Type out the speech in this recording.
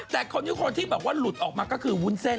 แต่คนที่แบบว่าหลุดออกมาก็คือวุ้นเส้น